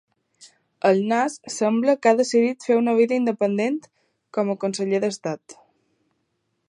El nas sembla que ha decidit fer una vida independent com a conseller d'Estat.